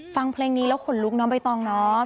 ฟังเพลงนี้แล้วขนลุกน้องไปต่อเนาะ